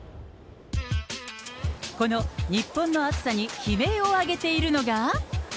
この日本の暑さに悲鳴を上げているのが。